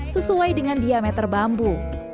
sesuai dengan diameter bambu